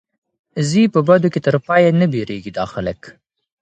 ځي په بدو کي تر پايه نه بېرېږي دا خلک